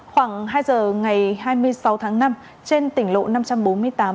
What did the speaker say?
khoảng hai giờ ngày hai mươi sáu tháng năm trên tỉnh lộ năm trăm bốn mươi tám